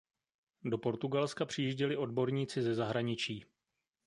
Do Portugalska přijížděli odborníci ze zahraničí.